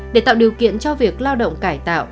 để tạo điều kiện cho việc lao động cải tạo